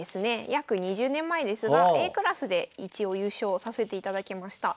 約２０年前ですがＡクラスで一応優勝させていただきました。